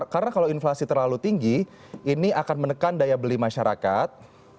karena kalau inflasi terlalu tinggi ini akan menekan daya beli masyarakat